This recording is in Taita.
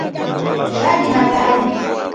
Ghadi na ghadi